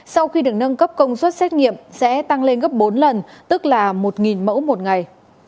sau khi được nâng cấp công suất xét nghiệm sẽ tăng lên gấp bốn lần tức là một mẫu một ngày